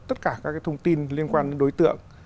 tất cả các thông tin liên quan đến đối tượng